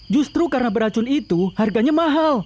justru karena beracun itu harganya mahal